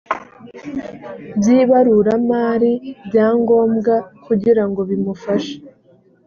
by ibaruramari bya ngombwa kugira ngo bimufashe